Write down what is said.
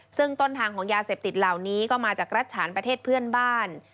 ซึ่งต้นทางของยาเสพติดเหล่านี้ก็มาจากรัฐฉานประเทศเพื่อนบ้าน